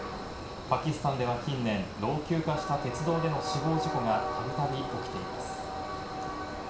パキスタンでは近年、老朽化した鉄道での死亡事故が度々起きています。